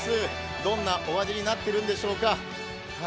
どんなお味になっているんでしょうか。